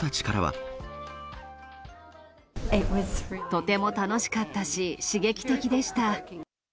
とても楽しかったし、刺激的でした。